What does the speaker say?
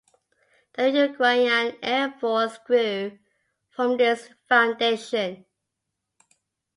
The Uruguayan Air Force grew from this foundation.